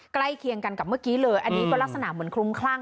ใกล้เคียงกันกับเมื่อกี้เลยอันนี้ก็ลักษณะเหมือนคลุ้มคลั่ง